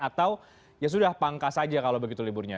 atau ya sudah pangkas saja kalau begitu liburnya